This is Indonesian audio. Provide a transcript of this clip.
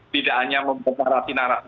tidak hanya mempermarasi narasi